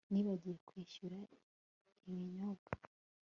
Nibagiwe kwishyura ibinyobwa